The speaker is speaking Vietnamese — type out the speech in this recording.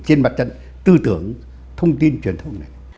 trên mặt trận tư tưởng thông tin truyền thông này